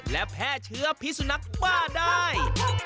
และแพร่เชื้อพิสุนักบ้าได้